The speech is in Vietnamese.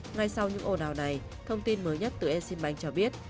ngay sau những ồn ào này thông tin mới nhất từ exim bank cho biết